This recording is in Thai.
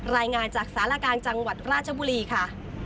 รายงานจากสารกลางจังหวัดราชบุรีค่ะ